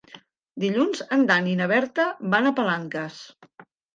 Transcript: Dilluns en Dan i na Berta van a Palanques.